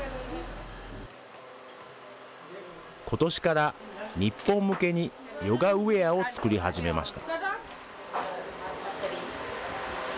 ことしから日本向けに、ヨガウエアを作り始めました。